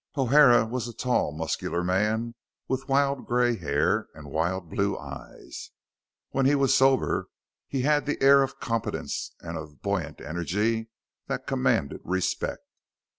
O'Hara was a tall, muscular man with wild gray hair and wild blue eyes. When he was sober, he had an air of competence and of bouyant energy that commanded respect.